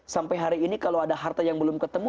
sampai hari ini kalau ada harta yang belum ketemu